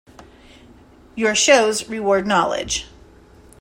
Your shows reward knowledge.